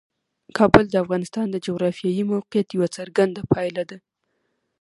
کابل د افغانستان د جغرافیایي موقیعت یوه څرګنده پایله ده.